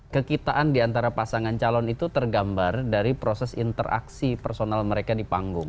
kekitaan diantara pasangan calon itu tergambar dari proses interaksi personal mereka di panggung